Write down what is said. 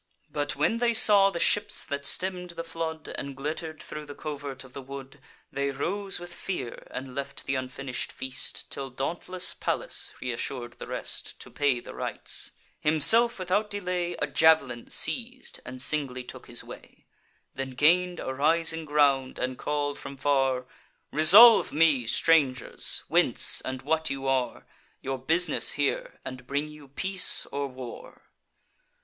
But, when they saw the ships that stemm'd the flood, And glitter'd thro' the covert of the wood, They rose with fear, and left th' unfinish'd feast, Till dauntless Pallas reassur'd the rest To pay the rites. Himself without delay A jav'lin seiz'd, and singly took his way; Then gain'd a rising ground, and call'd from far: "Resolve me, strangers, whence, and what you are; Your bus'ness here; and bring you peace or war?"